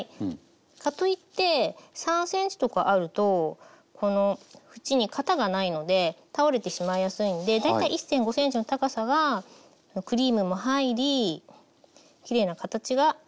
かといって３ｃｍとかあるとこの縁に型がないので倒れてしまいやすいんで大体１．５ｃｍの高さがクリームも入りきれいな形が保ちやすいと思います。